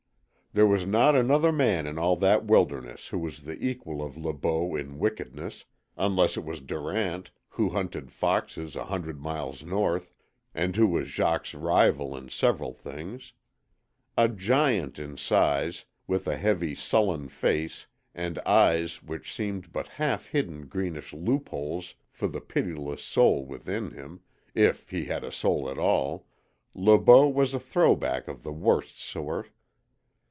There was not another man in all that wilderness who was the equal of Le Beau in wickedness unless it was Durant, who hunted foxes a hundred miles north, and who was Jacques's rival in several things. A giant in size, with a heavy, sullen face and eyes which seemed but half hidden greenish loopholes for the pitiless soul within him if he had a soul at all Le Beau was a "throw back" of the worst sort.